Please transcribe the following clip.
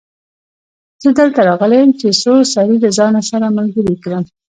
زه دلته راغلی يم چې څو سړي له ځانه سره ملګري کړم.